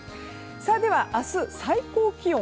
では、明日の最高気温。